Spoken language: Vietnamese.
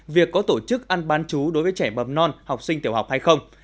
việc có tổ chức ăn bán chú đối với trẻ mầm non học sinh tiểu học hay không